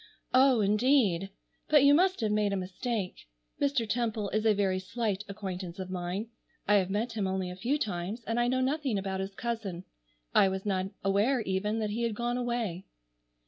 "Oh, indeed! But you must have made a mistake. Mr. Temple is a very slight acquaintance of mine. I have met him only a few times, and I know nothing about his cousin. I was not aware even that he had gone away."